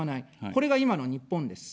これが今の日本です。